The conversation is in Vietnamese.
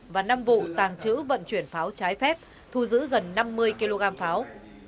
và năm vụ tàng trữ vận chuyển pháo trái phép thu giữ gần năm mươi kg pháo